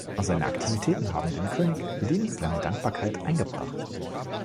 Seine Aktivitäten haben dem König lebenslange Dankbarkeit eingebracht.